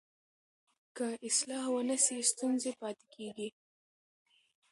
که اصلاح ونه سي ستونزې پاتې کېږي.